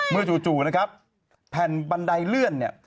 จู่นะครับแผ่นบันไดเลื่อนเนี่ย